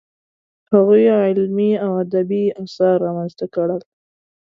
هغوی علمي او ادبي اثار رامنځته کړل.